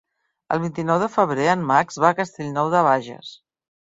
El vint-i-nou de febrer en Max va a Castellnou de Bages.